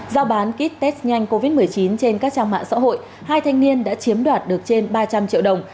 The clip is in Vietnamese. giao bán kit test nhanh covid một mươi chín trên các trang mạng xã hội hai thanh niên đã chiếm đoạt được trên ba trăm linh triệu đồng